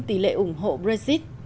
tỷ lệ ủng hộ brexit